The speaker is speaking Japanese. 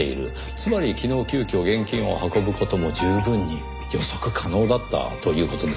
つまり昨日急きょ現金を運ぶ事も十分に予測可能だったという事ですね？